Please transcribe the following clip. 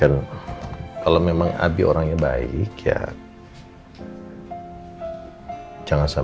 untuk semua orang yang telah menonton